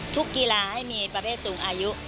กีฬาให้มีประเภทสูงอายุ